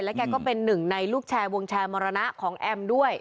แกก็เป็นหนึ่งในลูกแชร์วงแชร์มรณะของแอมด้วย